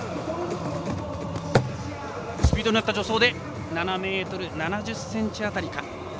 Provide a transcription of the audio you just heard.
スピードに乗った助走７ｍ７０ｃｍ辺りか。